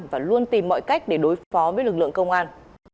và luôn tìm mọi cách để đối phó với lực lượng công an